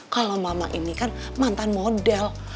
kalau mama ini kan mantan model